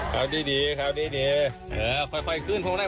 เขาดีเวอค่อยมันขึ้นพวกมะไร่